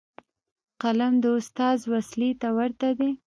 قلم د استاد وسلې ته ورته دی.